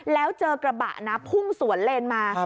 แล้วเจอกระบะนะพุ่งสวนเลนมา